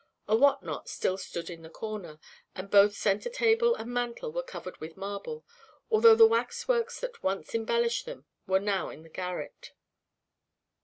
A what not still stood in one corner, and both centre table and mantel were covered with marble, although the wax works that once embellished them were now in the garret.